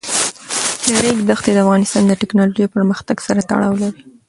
د ریګ دښتې د افغانستان د تکنالوژۍ پرمختګ سره تړاو لري.